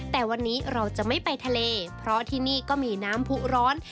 แต่วันนี้เราจะไม่ไปทะเลเพราะที่นี่ก็มีน้ำผู้ร้อน